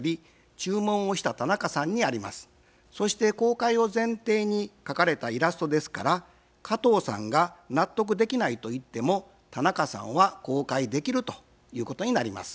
この契約のもとにイラストが完成したのですから加藤さんが納得できないと言っても田中さんは公開できるということになります。